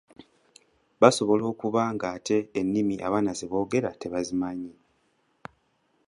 Basobola okuba ng'ate ennimi abaana ze boogera tebazimanyi.